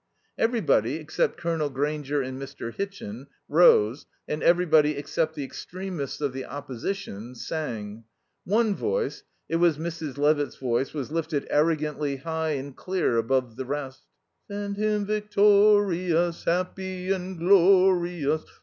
'" Everybody, except Colonel Grainger and Mr. Hitchin, rose, and everybody, except the extremists of the opposition, sang. One voice it was Mrs. Levitt's voice was lifted arrogantly high and clear above the rest. "Send him vic torious, Hap py and glorious.